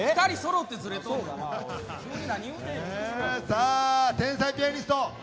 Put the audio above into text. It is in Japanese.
さあ天才ピアニスト。